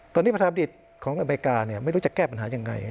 ตอนนี้ประชาบดิษฐ์ของอเมริกาไม่รู้จะแก้ปัญหายังไง